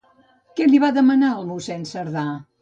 Què li va demanar al mossèn Sardà?